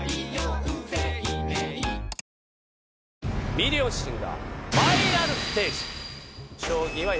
『ミリオンシンガー』ファイナルステージ。